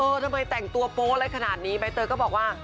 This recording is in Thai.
ทำไมแต่งตัวโป๊อะไรขนาดนี้ใบเตยก็บอกว่า